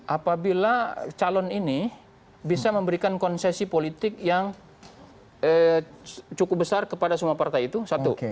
apabila calon ini bisa memberikan konsesi politik yang cukup besar kepada semua partai itu satu